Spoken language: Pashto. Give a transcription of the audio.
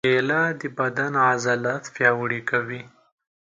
کېله د بدن عضلات پیاوړي کوي.